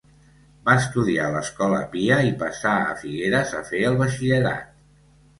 Va estudiar a l'Escola Pia i passà a Figueres a fer el batxillerat.